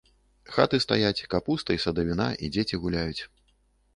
Хаты стаяць, капуста і садавіна, і дзеці гуляюць.